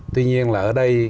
tuy nhiên là ở đây